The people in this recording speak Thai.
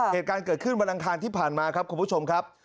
เหตุการณ์เกิดขึ้นวันอังคารที่ผ่านมาครับคุณผู้ชมครับ